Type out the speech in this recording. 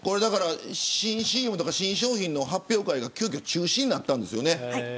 新ＣＭとか新商品の発表会が急きょ中止になったんですよね。